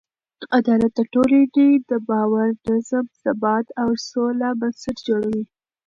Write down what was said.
عدالت د ټولنې د باور، نظم، ثبات او سوله بنسټ جوړوي.